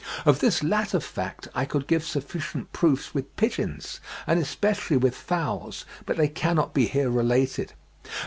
Of this latter fact I could give sufficient proofs with pigeons, and especially with fowls, but they cannot be here related.